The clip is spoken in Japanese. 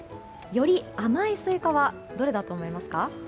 より甘いスイカはどれだと思いますか？